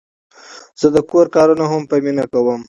زه د کور کارونه هم په مینه کوم.